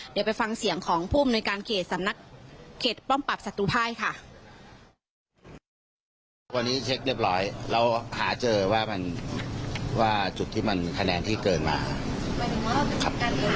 เดี๋ยวไปฟังเสียงของภูมิในการเขียนสำนักเขตป้อมปรับศัตรูไพรค่ะ